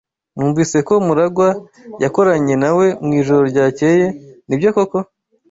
Numvise ko MuragwA yakoranye nawe mwijoro ryakeye Nibyo koko?